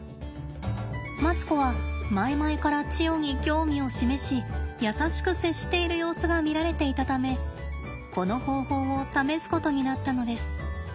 マツコは前々からチヨに興味を示し優しく接している様子が見られていたためこの方法を試すことになったのです。